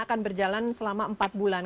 akan berjalan selama empat bulan